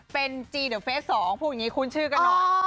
เป็นจีเดี๋ยวเฟส๒พูดอย่างนี้คุ้นชื่อกันหน่อย